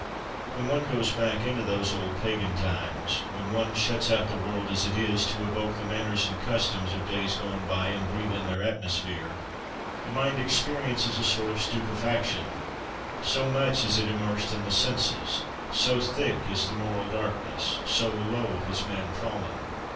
When one goes back into those old pagan times, when one shuts out the world as it is, to evoke the manners and customs of days gone by, and breathe in their atmosphere, the mind experiences a sort of stupefaction, so much is it immersed in the senses, so thick is the moral darkness, so low has man fallen!